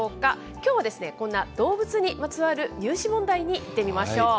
きょうは、こんな動物にまつわる入試問題にいってみましょう。